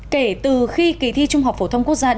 kể từ khi kỳ thi trung học phổ thông quốc gia